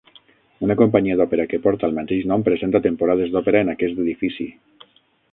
Una companyia d'òpera que porta el mateix nom presenta temporades d'òpera en aquest edifici.